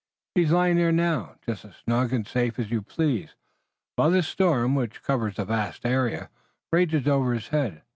He is lying there now, just as snug and safe as you please, while this storm, which covers a vast area, rages over his head.